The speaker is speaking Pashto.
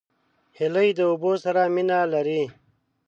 هیلۍ د اوبو سره مینه لري